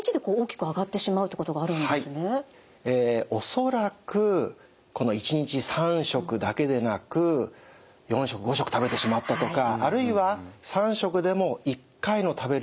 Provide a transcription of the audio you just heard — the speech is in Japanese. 恐らくこの１日３食だけでなく４食５食食べてしまったとかあるいは３食でも１回の食べる量がとても多かった。